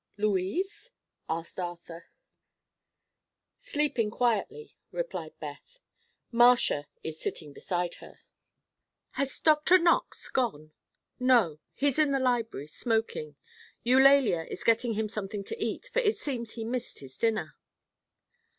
"Louise?" asked Arthur. "Sleeping quietly," replied Beth. "Marcia is sitting beside her." "Has Dr. Knox gone?" "No; he's in the library, smoking. Eulalia is getting him something to eat, for it seems he missed his dinner."